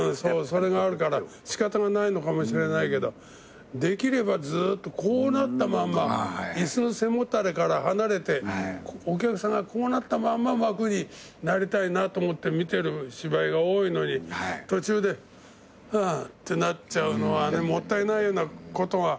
それがあるから仕方がないのかもしれないけどできればずっとこうなったまんま椅子の背もたれから離れてお客さんがこうなったまんま幕になりたいなと思って見てる芝居が多いのに途中でハァってなっちゃうのはもったいないようなことが。